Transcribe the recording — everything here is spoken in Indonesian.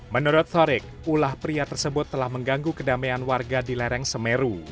menurut torik ulah pria tersebut telah mengganggu kedamaian warga di lereng semeru